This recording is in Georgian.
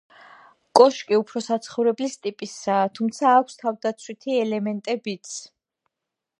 კოშკი უფრო საცხოვრებლის ტიპისაა, თუმცა აქვს თავდაცვითი ელემენტებიც.